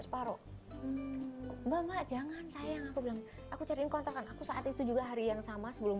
separoh enggak enggak jangan sayang aku bilang aku cari kontrakan aku saat itu juga hari yang sama sebelum